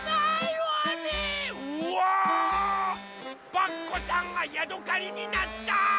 パクこさんがヤドカリになった！